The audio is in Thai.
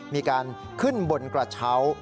มีการขึ้นบนกระเช้า